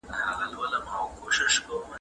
انګور ښه دي.